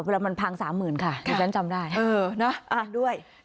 เวลามันพังสามหมื่นค่ะค่ะที่ฉันจำได้เออนะอ่ะด้วย